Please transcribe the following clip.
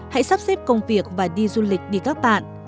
hãy sắp xếp công việc và đi du lịch đi các bạn